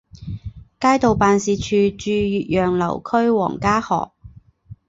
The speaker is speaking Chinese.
街道办事处驻岳阳楼区王家河。